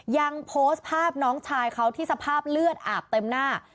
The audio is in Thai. ยังโพสต์ภาพน้องชายเขาที่สภาพเลือดอาบเต็มหน้า